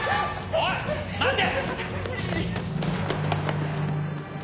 おい待て！